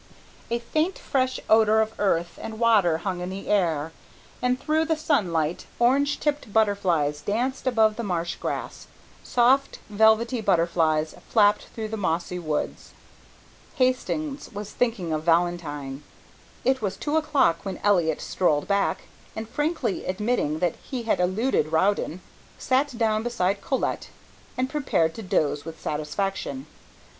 A faint fresh odour of earth and water hung in the air, and through the sunlight, orange tipped butterflies danced above the marsh grass, soft velvety butterflies flapped through the mossy woods. Hastings was thinking of Valentine. It was two o'clock when Elliott strolled back, and frankly admitting that he had eluded Rowden, sat down beside Colette and prepared to doze with satisfaction.